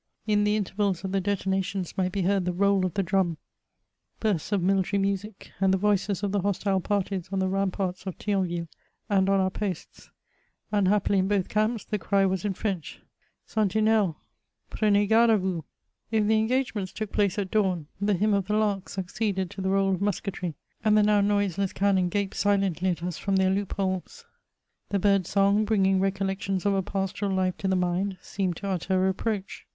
In the intervals of the detonations nught be heard the roll <^ the drum, bursts <^ military muoc, and the voices of the hostile parties on the ramparts of TbionviUe and on our posts; unhap pily, in both camps, the cry was in French <' Sentinelles^ {Mienea garde k vous.'' If the engagements took place at dawn, the hymn of the lark succeeded to the roll of musketry, and the now noiseless cannon gaped silently at us from their loop holes. The bird's song, bringing recollections of a pastoral life to the mind, seemed to utter a reproach.